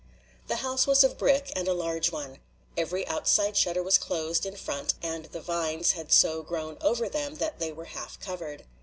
The house was of brick and a large one. Every outside shutter was closed in front and the vines had so grown over them that they were half covered.